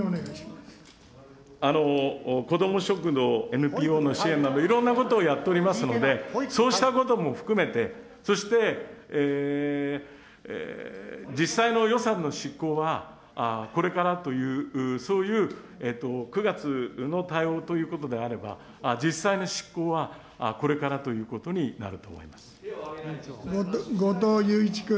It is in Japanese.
こども食堂、ＮＰＯの支援など、いろんなことをやっておりますので、そうしたことも含めて、そして、実際の予算の執行は、これからという、そういう９月の対応ということであれば、実際の執行はこれからとい後藤祐一君。